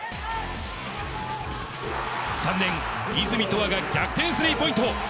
３年、泉とわが逆転スリーポイント。